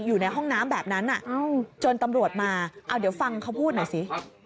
อยู่ในห้องน้ำแบบนั้นจนตำรวจมาเอาเดี๋ยวฟังเขาพูดหน่อยสิ